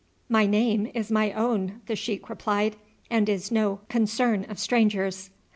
"My name is my own," the sheik replied, "and is no concern of strangers."